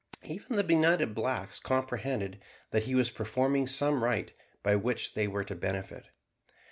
Even the benighted blacks comprehended that he was performing some rite by which they were to benefit.